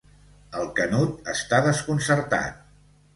El Canut està desconcertat.